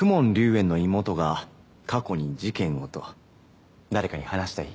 炎の妹が過去に事件をと誰かに話したい？